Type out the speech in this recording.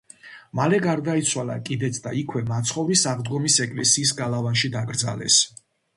მალე გარდაიცვალა კიდეც და იქვე მაცხოვრის აღდგომის ეკლესიის გალავანში დაკრძალეს.